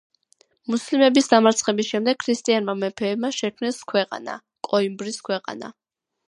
მუსლიმების დამარცხების შემდეგ ქრისტიანმა მეფეებმა შექმნეს ქვეყანა, კოიმბრის ქვეყანა.